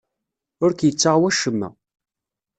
Ur k-yettaɣ wacemma.